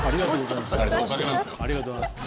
ありがとうございます。